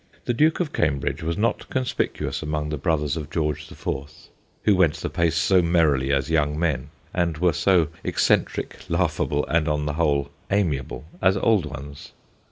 The Duke of Cambridge was not conspicuous among the brothers of George the Fourth, who went the pace so merrily as young men, and were so eccentric, laughable, and on the whole amiable as old ones.